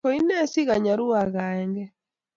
Koine sigany aruu agaengee